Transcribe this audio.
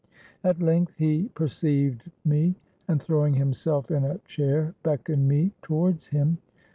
At length he perceived me; and, throwing himself in a chair, beckoned me towards him.